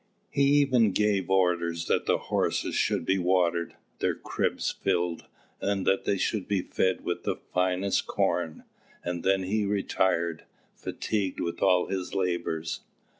He even gave orders that the horses should be watered, their cribs filled, and that they should be fed with the finest corn; and then he retired, fatigued with all his labours.